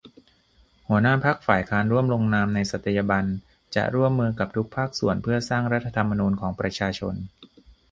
หัวหน้าพรรคฝ่ายค้านร่วมลงนามในสัตยาบันจะร่วมมือกับทุกภาคส่วนเพื่อสร้าง รัฐธรรมนูญ ของประชาชน